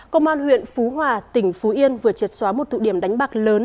công an huyện phú hòa tỉnh phú yên vừa triệt xóa một tụ điểm đánh bạc lớn